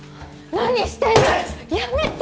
何してんのやめて！